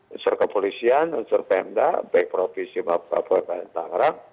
insur kepolisian insur pemda bek provinsi bapak bapak tengah